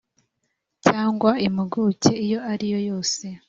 cyangwa impuguke iyo ari yo yose